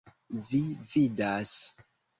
Vi vidas!